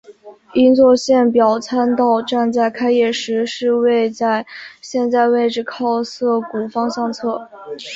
银座线表参道站在开业时是位在现在位置靠涩谷方向侧。